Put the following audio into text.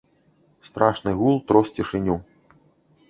Страшны гул трос цішыню.